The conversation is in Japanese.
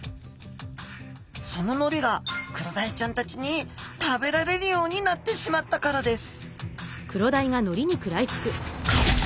そののりがクロダイちゃんたちに食べられるようになってしまったからです